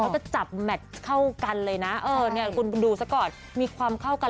แล้วก็จับแมทเข้ากันเลยนะคุณดูซะก่อนมีความเข้ากัน